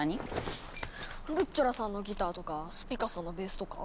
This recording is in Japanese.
ルッチョラさんのギターとかスピカさんのベースとか？